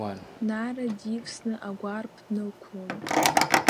Нара дивсны агәарԥ днықәлон.